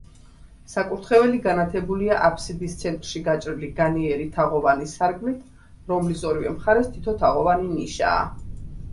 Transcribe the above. საკურთხეველი განათებულია აფსიდის ცენტრში გაჭრილი განიერი, თაღოვანი სარკმლით, რომლის ორივე მხარეს თითო თაღოვანი ნიშაა.